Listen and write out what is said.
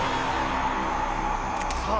さあ